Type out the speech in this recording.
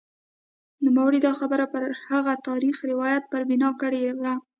نوموړي دا خبره پر هغه تاریخي روایت پر بنا کړې وه.